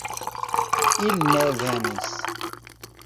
Ili ne venis